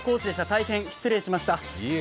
大変失礼しました。